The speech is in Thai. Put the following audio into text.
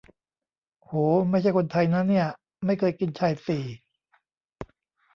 โห 'ไม่ใช่คนไทย' นะเนี่ย ไม่เคยกินชายสี่